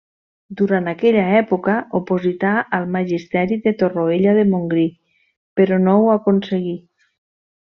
Durant aquella època oposità al magisteri de Torroella de Montgrí, però no ho aconseguí.